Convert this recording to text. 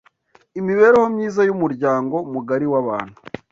imibereho myiza y’umuryango mugari w’abantu